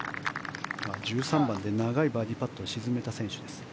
１３番で長いバーディーパットを沈めた選手です。